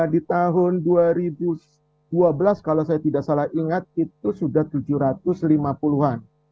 di tahun dua ribu dua belas kalau saya tidak salah ingat itu sudah tujuh ratus lima puluh an